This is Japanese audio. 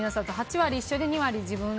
８割一緒で２割自分。